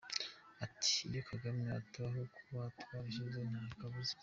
Ati: “iyo Kagame atabaho tuba twarashize nta kabuza.